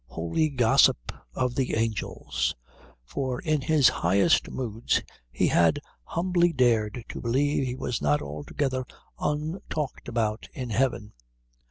holy gossip of the angels. For in his highest moods he had humbly dared to believe he was not altogether untalked about in heaven.